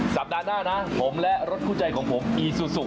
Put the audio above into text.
สัปดาห์หน้านะผมและรถคู่ใจของผมอีซูซู